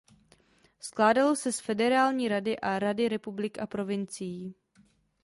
Skládalo se z "Federální rady" a "Rady republik a provincií".